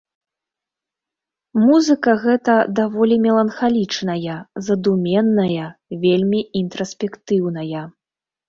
Музыка гэта даволі меланхалічная, задуменная, вельмі інтраспектыўная.